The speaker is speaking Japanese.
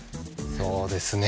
そうですね。